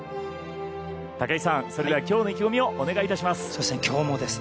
武井さん、それではきょうの意気込みをお願いします。